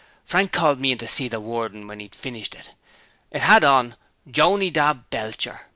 Frank called me in to see the wordin' when 'e'd finished it. It had on: "Jonydab Belcher.